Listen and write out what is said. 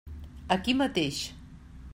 Aquí mateix.